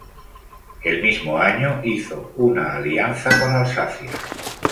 El mismo año hizo una alianza con Alsacia.